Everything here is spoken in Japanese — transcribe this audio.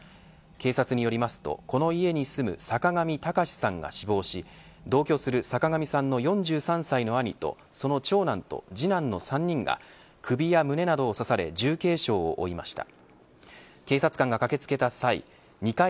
警察によりますと、この家に住む坂上卓さんが死亡し同居する坂上さんの４３歳の兄とその長男と次男の３人が首や胸などを刺され重軽傷を負いました。